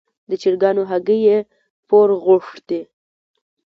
د چرګانو هګۍ یې پور غوښتې.